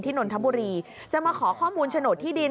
นนทบุรีจะมาขอข้อมูลโฉนดที่ดิน